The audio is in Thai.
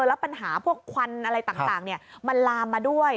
แล้วปัญหาพวกควันอะไรต่างมันลามมาด้วย